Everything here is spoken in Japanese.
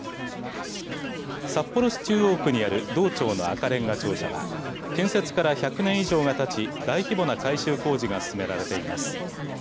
札幌市中央区にある道庁の赤れんが庁舎は建設から１００年以上がたち大規模な改修工事が進められています。